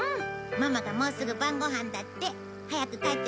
ママがもうすぐ晩ご飯だって。早く帰って食べよう！